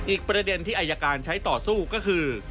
อีกประเด็นที่อายการใช้ต่อสู้ก็คือ